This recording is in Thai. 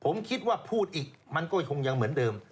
ผมคิดว่าพูดอีกมันก็คงยังเหมือนเดิม